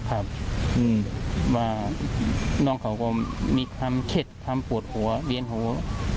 ครับว่าน้องเขาก็มีความเข็ดความปวดหัวเวียนหัว